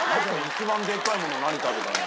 「一番でっかいもの何食べたの？」